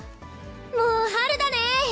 もう、春だね。